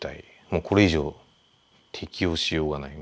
もうこれ以上適応しようがない。